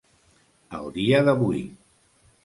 El dia d'avui.